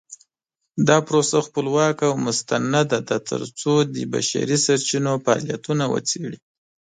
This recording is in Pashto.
دا پروسه خپلواکه او مستنده ده ترڅو د بشري سرچینو فعالیتونه وڅیړي.